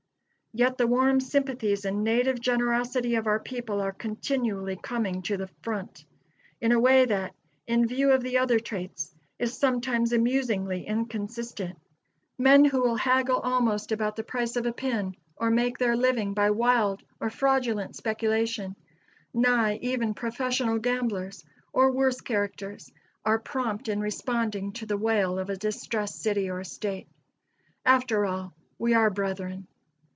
Yet, the warm sympathies and native generosity of our people are continually coming to the front, in a way that, in view of the other traits, is sometimes amusingly inconsistent. Men who will haggle almost [Illustration: LOUISVILLE TORNADO CORNER TENTH AND MAIN STREETS.] about the price of a pin, or make their living by wild or fraudulent speculation; nay, even professional gamblers, or worse characters, are prompt in responding to the wail of a distressed city or state. After all, we are brethren.